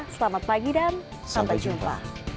selamat pagi dan sampai jumpa